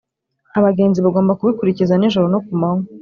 abagenzi bagomba kubikurikiza nijoro no ku manywa.